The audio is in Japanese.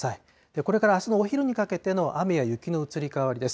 これからあすのお昼にかけての雨や雪の移り変わりです。